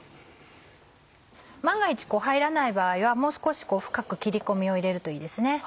万が一入らない場合はもう少し深く切り込みを入れるといいですね。